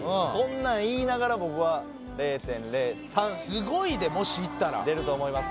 なん言いながら僕は０．０３すごいでもしいったら出ると思います